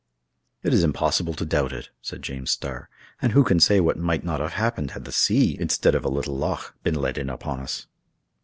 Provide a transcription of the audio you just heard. "It is impossible to doubt it," said James Starr; "and who can say what might not have happened had the sea, instead of a little loch, been let in upon us?"